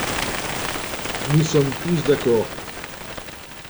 Nous sommes tous d’accord.